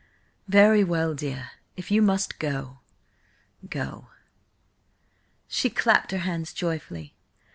"Very well, dear. If you must go–go." She clapped her hands joyfully.